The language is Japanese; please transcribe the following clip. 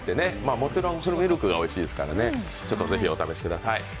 もちろんミルクがおいしいですからね、ぜひお試しください。